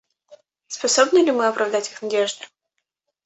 Способны ли мы оправдать их надежды?